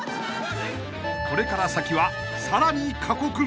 ［これから先はさらに過酷］